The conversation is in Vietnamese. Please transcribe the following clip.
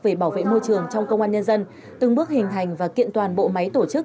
về bảo vệ môi trường trong công an nhân dân từng bước hình thành và kiện toàn bộ máy tổ chức